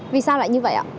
vì sao lại như vậy ạ